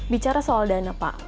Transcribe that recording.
bicara soal dana pak